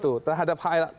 tapi terhadap hal itu